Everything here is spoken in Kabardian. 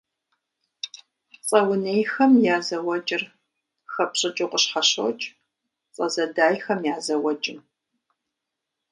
Цӏэ унейхэм я зэуэкӏыр хэпщӏыкӏыу къыщхьэщокӏ цӏэ зэдайхэм я зэуэкӏым.